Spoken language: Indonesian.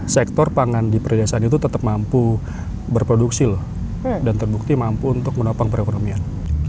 sektor pangan di perdesaan itu tetap mampu berproduksi loh dan terbukti mampu untuk menopang perekonomian